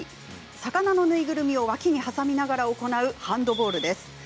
魚の縫いぐるみを脇に挟みながら行うハンドボールです。